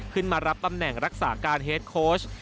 ขึ้นมารับตำแหน่งรักษาการเฮดโค้ช